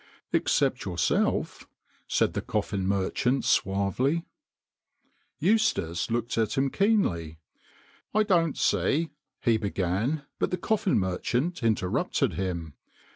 " Except yourself," said the coffin merchant suavely. Eustace looked at him keenly. " I don't see " he began. But the coffin merchant interrupted him.